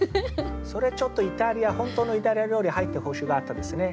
それちょっとイタリア本当のイタリア料理入ってほしかったですね。